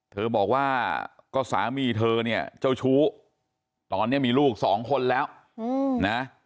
เธอบอกว่าก็สามีเธอเนี่ยเจ้าชู้ตอนนี้มีลูกสองคนแล้วนะ